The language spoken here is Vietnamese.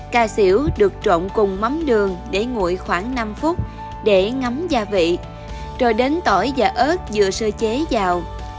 cà xỉu được trộn cùng mắm đường để nguội khoảng năm phút để ngắm gia vị rồi đến tỏi và ớt vừa sơ chế vào